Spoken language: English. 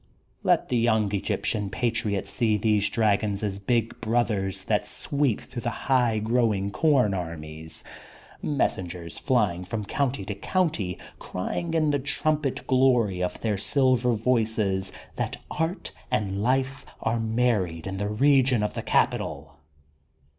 Let the young Egyptian patriot see these dragons as big brothers that sweep through the high growing com armies, messengers flying from county to county, crying in the trumpet glory of their silver voices, that art and life are married in the region of the capital.'